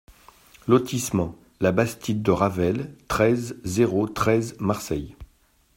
Lotissement La Bastide de Ravel, treize, zéro treize Marseille